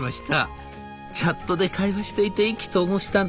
「チャットで会話していて意気投合したんです。